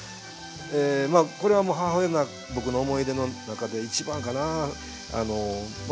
これは母親の僕の思い出の中で一番かな。